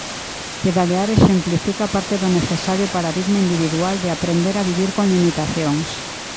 Pedalear exemplifica parte do necesario paradigma individual de "aprender a vivir con limitacións".